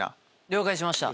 了解しました。